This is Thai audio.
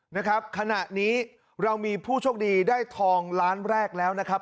นะครับขณะนี้เรามีผู้โชคดีได้ทองล้านแรกแล้วนะครับ